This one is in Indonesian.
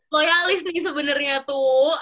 loyalis nih sebenernya tuh